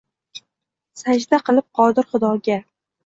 Sajda qilib Qodir xudoga